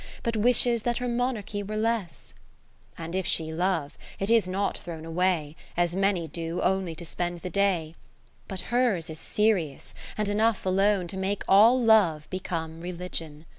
But wishes that her monarchy were less. Rosania shadowed And if she love, it is not thrown away, As many do, only to spend the day; But hers is serious, and enough alone To make all Love become Religion.